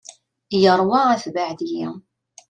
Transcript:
Yerwa atbaɛ deg-i.